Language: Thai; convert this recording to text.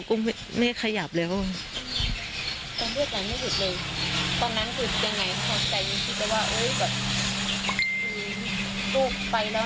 ก็ไม่ขยับแล้วตอนนั้นคือยังไงคิดว่าโอ้ยก็ไปแล้ว